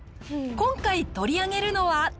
今回取り上げるのは。